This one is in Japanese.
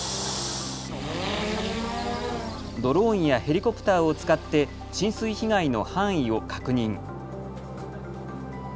ドローンやヘリコプターを使って浸水被害の範囲を確認。